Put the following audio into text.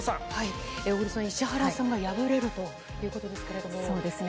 小栗さん、石原さんが敗れるということですけれども、そうですね。